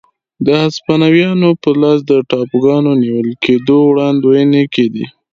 د هسپانویانو په لاس د ټاپوګانو نیول کېدو وړاندوېنې کېدې.